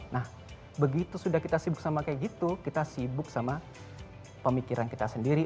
nah begitu sudah kita sibuk sama kayak gitu kita sibuk sama pemikiran kita sendiri